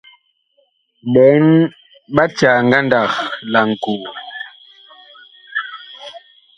Ɓɔɔŋ ɓa caa ngandag laŋkoo.